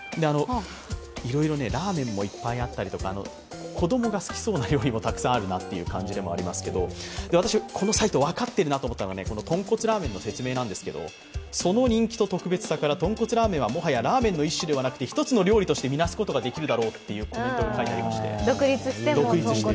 いろいろラーメンもいっぱいあったりとか、子供が好きそうな料理もたくさんあるなという感じではありますけど私、このサイト、分かっているなと思ったのは豚骨ラーメンの説明んですけど、その人気と特別さから豚骨ラーメンはもはやラーメンの一種ではなくて一つの料理としてみなすことができるだろうと書いてありました。